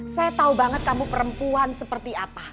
saya tahu banget kamu perempuan seperti apa